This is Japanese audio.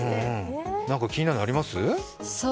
何か気になるのあります？